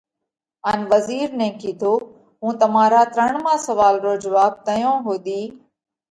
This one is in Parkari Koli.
ان وزِير نئہ ڪِيڌو: هُون تمارا ترڻما سوئال رو جواٻ تئيون ۿُوڌِي